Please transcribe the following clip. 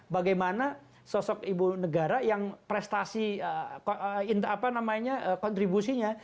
bagaimana sosok ibu negara yang prestasi kontribusinya